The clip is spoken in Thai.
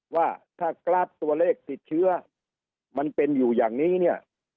ว่าถ้ากล้าบตัวเลขกิดเชื้อมันเป็นอยู่อย่างนี้